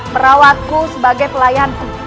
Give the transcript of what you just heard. merawatku sebagai pelayanku